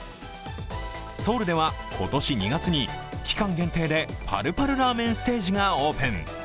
ソウルでは今年２月に期間限定で８８ラーメンステージがオープン。